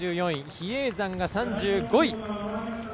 比叡山が３５位。